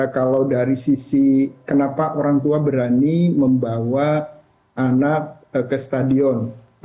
kalau dari sisi kenapa orang tua berani membawa anak ke stadion